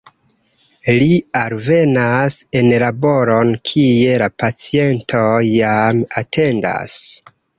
Li alvenas en laboron, kie la pacientoj jam atendas.